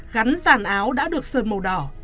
gắn dàn áo đã được sờn màu đỏ